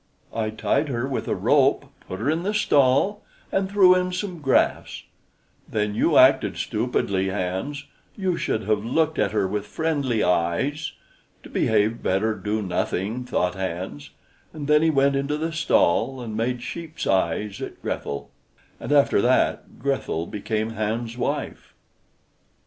"I tied her with a rope, put her in the stall, and threw in some grass." "Then you acted stupidly, Hans; you should have looked at her with friendly eyes." "To behave better, do nothing," thought Hans; and then he went into the stall, and made sheep's eyes at Grethel. And after that Grethel became Hans's wife.